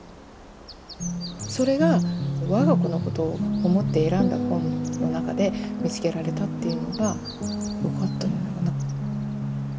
それが我が子のことを思って選んだ本の中で見つけられたっていうのがよかったのかな。